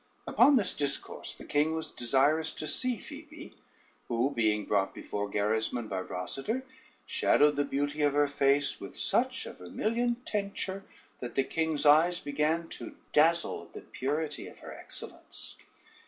Upon this discourse the king was desirous to see Phoebe, who being brought before Gerismond by Rosader, shadowed the beauty of her face with such a vermilion teinture, that the king's eyes began to dazzle at the purity of her excellence.